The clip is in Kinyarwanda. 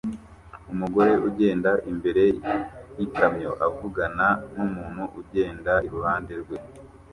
Umugore ugenda imbere yikamyo avugana numuntu ugenda iruhande rwe